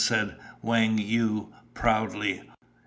said Wang Yu proudly.